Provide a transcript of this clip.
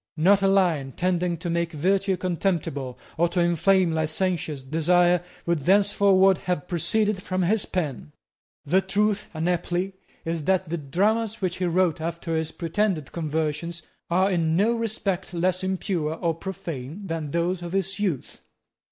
Not a line tending to make virtue contemptible, or to inflame licentious desire, would thenceforward have proceeded from his pen. The truth unhappily is that the dramas which he wrote after his pretended conversion are in no respect less impure or profane than those of his youth.